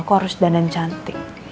aku harus dandan cantik